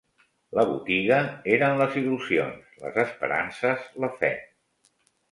La botiga eren les il·lusions, les esperances, la fe